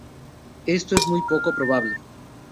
Esto es muy poco probable.